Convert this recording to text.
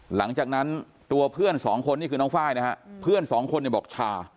หลังจากนั้นตัวเพื่อนสองคนนี่คือน้องไฟล์นะฮะเพื่อนสองคนเนี่ยบอกชา